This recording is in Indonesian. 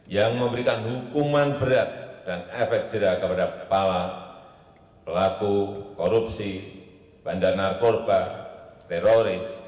yang memberikan hukuman berat dan efek jerah kepada kepala pelaku korupsi bandar narkoba teroris